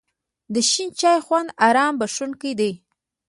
د شین چای خوند آرام بښونکی دی.